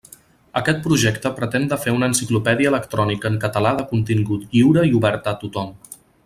Aquest projecte pretén de fer una enciclopèdia electrònica en català de contingut lliure i oberta a tothom.